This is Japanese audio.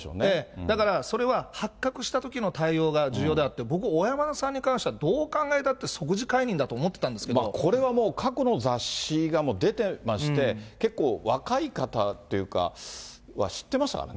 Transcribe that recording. だからそれは、発覚したときの対応が重要であって、僕、小山田さんについてはどう考えたって、これはもう、過去の雑誌が出てまして、結構、若い方というかは知ってましたからね。